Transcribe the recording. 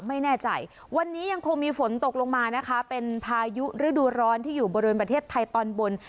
ไม่แน่ใจวันนี้ยังคงมีฝนตกลงมานะคะเป็นพายุฤดูร้อนที่อยู่บริเวณประเทศไทยตอนบน